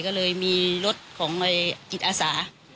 ก็เลยมีรถของจิตอาสา